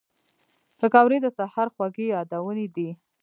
پکورې د سهر خوږې یادونې دي